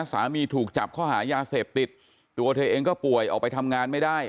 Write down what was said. ถูกจับข้อหายาเสพติดตัวเธอเองก็ป่วยออกไปทำงานไม่ได้